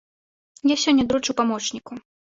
Я сёння даручу памочніку.